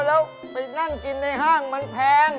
แล้วไปนั่งกินในห้างมันแพง